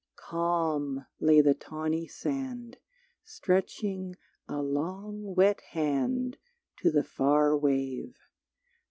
Calm lay the tawny sand Stretching a long wet hand To the far wave.